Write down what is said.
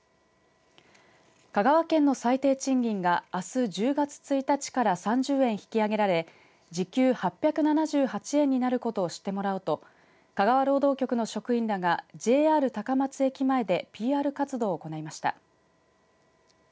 香川県の最低賃金があす１０月１日から３０円引き上げられ時給８７８円になることを知ってもらおうと香川労働局の職員らがＪＲ高松駅前でＰＲ活動を行いました。